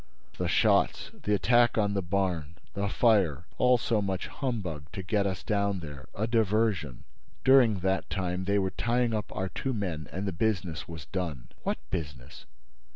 "The shots—the attack on the barn—the fire—all so much humbug to get us down there—a diversion. During that time they were tying up our two men and the business was done." "What business?"